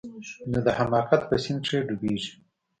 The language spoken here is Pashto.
نو د حماقت په سيند کښې ډوبېږي.